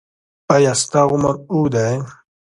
ایا ستاسو عمر اوږد دی؟